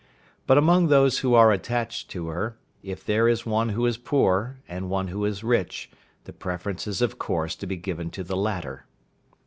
But among those who are attached to her, if there is one who is poor, and one who is rich, the preference is of course to be given to the latter.